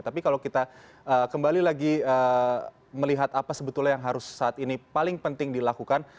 tapi kalau kita kembali lagi melihat apa sebetulnya yang harus saat ini paling penting dilakukan